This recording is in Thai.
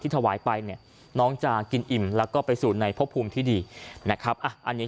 ถวายไปเนี่ยน้องจะกินอิ่มแล้วก็ไปสู่ในพบภูมิที่ดีนะครับอันนี้